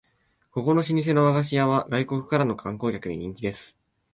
ここの老舗の和菓子屋は外国からの観光客に人気です